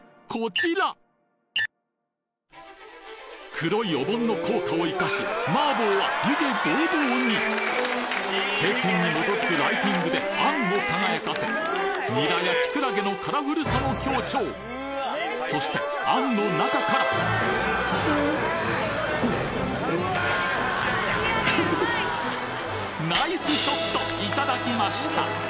黒いお盆の効果をいかしマーボーは湯気ボーボーに経験に基づくライティングで餡を輝かせニラやキクラゲのカラフルさも強調そして餡の中からナイスショットいただきました！